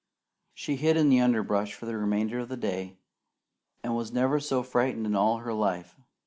She hid in the underbrush for the remainder of the day, and was never so frightened in all her life.